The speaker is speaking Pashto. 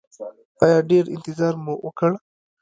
ایا ډیر انتظار مو وکړ؟